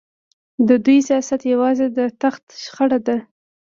د دوی سیاست یوازې د تخت شخړه ده.